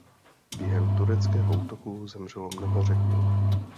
Během tureckého útoku zemřelo mnoho Řeků.